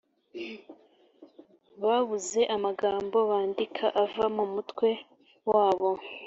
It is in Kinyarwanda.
babuze amagambo bandika ava mu mutwe wabo